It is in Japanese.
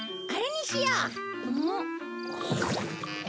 あれにしよう！